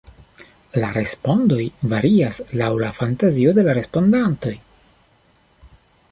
La respondoj varias laŭ la fantazio de la respondantoj.